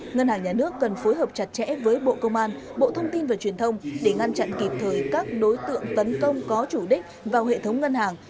ngân hàng nhà nước cần phối hợp chặt chẽ với bộ công an bộ thông tin và truyền thông để ngăn chặn kịp thời các đối tượng tấn công có chủ đích vào hệ thống ngân hàng